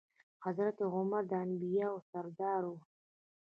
حضرت محمد د انبياوو سردار وو.